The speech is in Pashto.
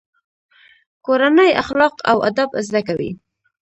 کورنۍ اخلاق او ادب زده کوي.